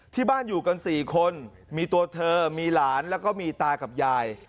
ที่บ้านอยู่กัน๔คนมีตัวเธอมีหลานแล้วก็มีตากับยาย